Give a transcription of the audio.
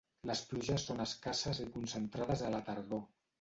Les pluges són escasses i concentrades a la tardor.